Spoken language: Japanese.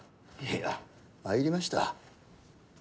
いや参りました。